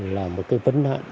là một cái vấn hại